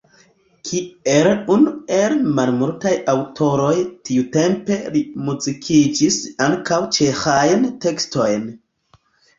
Kiel unu el malmultaj aŭtoroj tiutempe li muzikigis ankaŭ ĉeĥajn tekstojn.